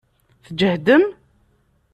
Tǧehdem?